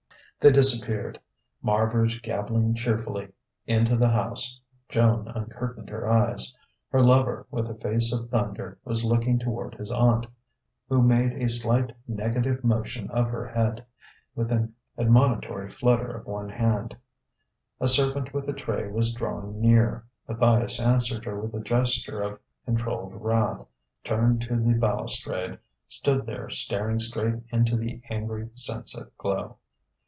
They disappeared Marbridge gabbling cheerfully into the house. Joan uncurtained her eyes. Her lover, with a face of thunder, was looking toward his aunt; who made a slight negative motion of her head, with an admonitory flutter of one hand: a servant with a tray was drawing near. Matthias answered her with a gesture of controlled wrath; turned to the balustrade; stood there staring straight into the angry sunset glow.